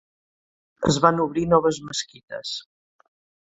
Es van obrir noves mesquites.